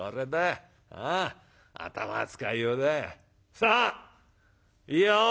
さあいいよ。